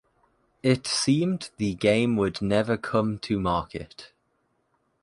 It seemed the game would never come to market.